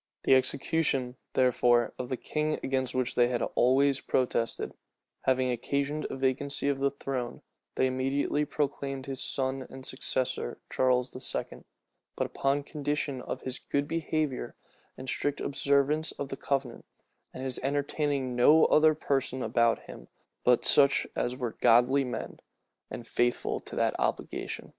The execution, therefore, of the king, against which they had always protested, having occasioned a vacancy of the throne, they immediately proclaimed his son and successor, Charles II.; but upon condition "of his good behavior, and strict observance of the covenant, and his entertaining no other persons about him but such as were godly men, and faithful to that obligation."